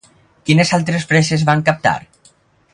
Quines altres fresses van captar?